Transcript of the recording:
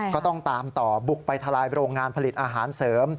ก็ต้องตามต่อบุกไปทลายโรงงานผลิตอาหารเสริม